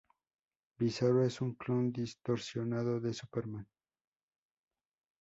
Bizarro es un clon distorsionado de Superman.